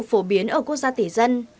phổ biến ở quốc gia tỉ dân